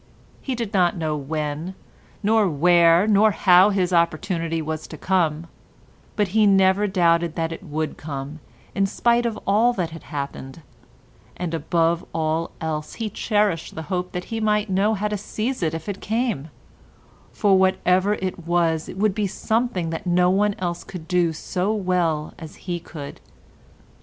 He did not know when, nor where, nor how his opportunity was to come, but he never doubted that it would come in spite of all that had happened, and above all else he cherished the hope that he might know how to seize it if it came, for whatever it was it would be something that no one else could do so well as he could.